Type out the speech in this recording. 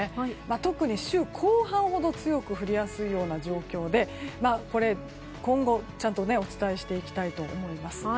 特に週後半ほど強く降りやすい状況で今後、ちゃんとお伝えしていきたいと思います。